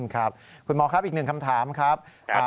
ครับคุณหมอครับอีกหนึ่งคำถามครับ